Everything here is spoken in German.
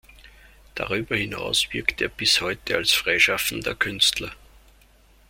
Darüber hinaus wirkt er bis heute als freischaffender Künstler.